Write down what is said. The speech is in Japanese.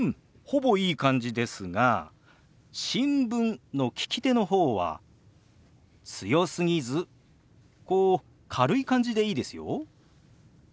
ほぼいい感じですが「新聞」の利き手の方は強すぎずこう軽い感じでいいですよ。